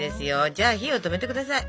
じゃあ火を止めて下さい。